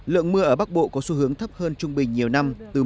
lượng mưa ở bắc bộ có xu hướng thấp hơn trung bình nhiều năm từ một mươi tới hai mươi